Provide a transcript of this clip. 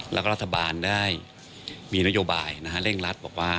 แล้วก็รัฐบาลได้มีนโยบายเร่งรัดบอกว่า